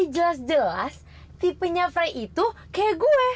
jelas jelas tipenya frey itu kayak gue